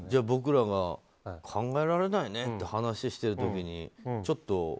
僕らが考えられないねって話してる時に、ちょっと。